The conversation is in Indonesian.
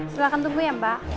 silahkan tunggu ya mbak